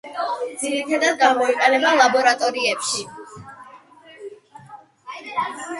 ძირითადათ გამოიყენება ლაბორატორიებში.